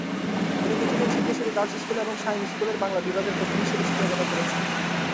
তিনি কিছুদিন সিদ্ধেশ্বরী গার্লস স্কুলে এবং শাহীন স্কুলের বাংলা বিভাগের প্রধান হিসেবে শিক্ষকতা করেছেন।